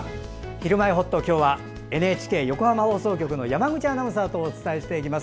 「ひるまえほっと」今日はＮＨＫ横浜放送局の山口アナウンサーとお伝えしていきます。